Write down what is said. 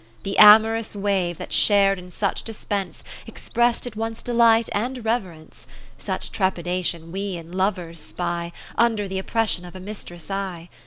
20 The amorous wave that shar'd in such dispense Exprest at once delight and rever ence. Such trepidation we in lovers spy Under th' oppression of a mistress' eye.